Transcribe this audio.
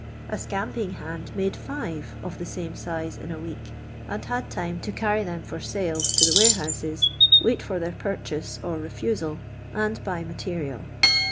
A scamping hand made five of the same size in a week, and had time to carry them for sale to the warehouses, vrait for their purchase or refusal, and buy material.